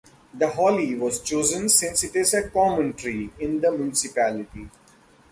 The holly was chosen since it is a common tree in the municipality.